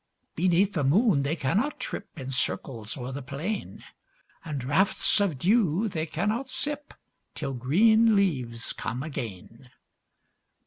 Beneath the moon they cannot trip In circles o'er the plain ; And draughts of dew they cannot sip, Till green leaves come again.